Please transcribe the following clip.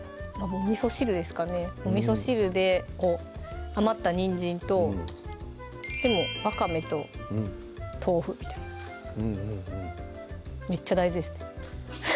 みそ汁ですかねおみそ汁で余ったにんじんとわかめと豆腐みたいなめっちゃ大豆ですね